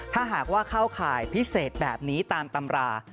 ถ้าหากว่าเข้าข่ายพิเศษแบบนี้ตามตำรา